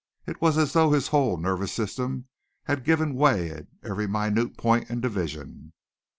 It was as though his whole nervous system had given way at every minute point and division.